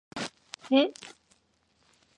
넵!